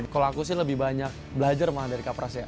kalau aku sih lebih banyak belajar dari kak pras ya